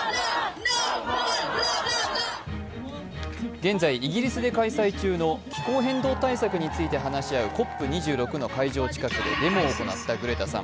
現在、イギリスで開催中の気候変動対策について話し合うＣＯＰ２６の会場近くでデモを行ったグレタさん。